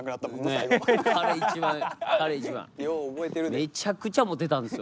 めちゃくちゃモテたんですよ